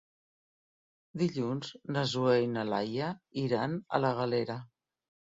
Dilluns na Zoè i na Laia iran a la Galera.